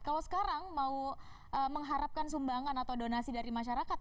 kalau sekarang mau mengharapkan sumbangan atau donasi dari masyarakat